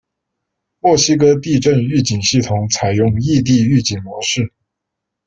墨西哥地震预警系统采用异地预警模式。